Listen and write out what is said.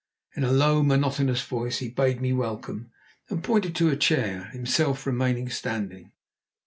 In a low, monotonous voice he bade me welcome, and pointed to a chair, himself remaining standing.